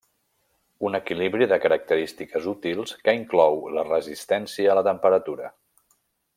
Un equilibri de característiques útils que inclou la resistència a la temperatura.